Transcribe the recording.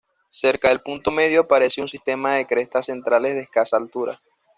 Cerca del punto medio aparece un sistema de crestas centrales de escasa altura.